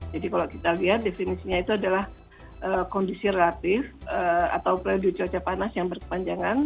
jadi kalau kita lihat definisinya itu adalah kondisi relatif atau periode cuaca panas yang bertepanjangan